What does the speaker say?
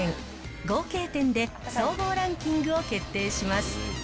合計点で総合ランキングを決定します。